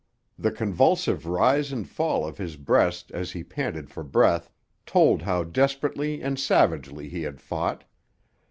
The convulsive rise and fall of his breast as he panted for breath told how desperately and savagely he had fought.